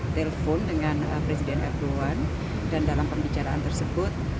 telepon dengan presiden erdogan dan dalam pembicaraan tersebut